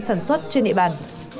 sản xuất trên địa bàn